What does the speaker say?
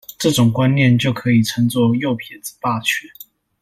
這種觀念就可以稱作「右撇子霸權」